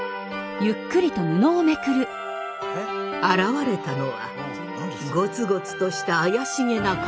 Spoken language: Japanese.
現れたのはゴツゴツとした怪しげな塊。